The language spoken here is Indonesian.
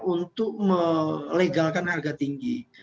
untuk melegalkan harga tinggi